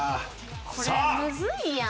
これむずいやん。